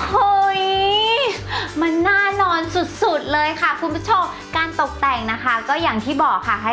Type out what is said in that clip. เฮ้ยมันน่านอนสุดสุดเลยค่ะคุณผู้ชมการตกแต่งนะคะก็อย่างที่บอกค่ะ